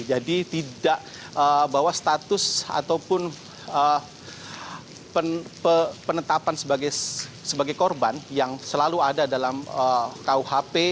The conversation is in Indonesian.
jadi tidak bahwa status ataupun penetapan sebagai korban yang selalu ada dalam kuhp